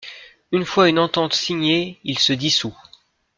Une fois une entente signée, il se dissout.